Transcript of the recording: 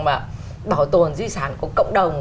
mà bỏ tồn di sản của cộng đồng